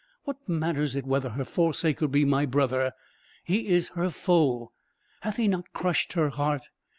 What matters it whether her forsaker be my brother? He is her foe. Hath he not crushed her heart?